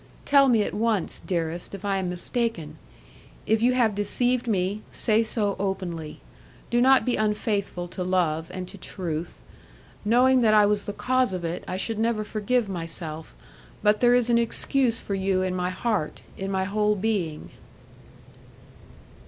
Tell me at once, dearest, if I am mistaken; if you have deceived me, say so openly. Do not be unfaithful to love and to truth. Knowing that I was the cause of it, I should never forgive my self, but there is an excuse for you in my heart, in my whole being."